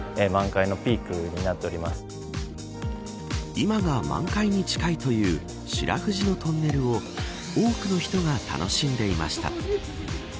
今が満開に近いという白藤のトンネルを多くの人が楽しんでいました。